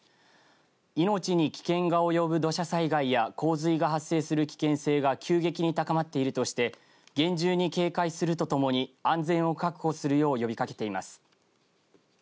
命に危険が及ぶ土砂災害や洪水が発生する危険性が急激に高まっているとして厳重に警戒するとともに安全を確保するよう呼びかけています。